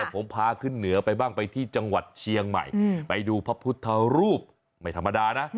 ผมพาขึ้นเหนือไปบ้างไปที่จังหวัดเชียงใหม่ไปดูพระพุทธรูปไม่ธรรมดานะ